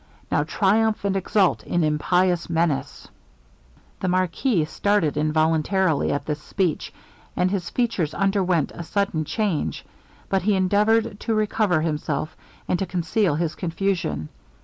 Now triumph and exult in impious menace!' The marquis started involuntarily at this speech, and his features underwent a sudden change, but he endeavoured to recover himself, and to conceal his confusion.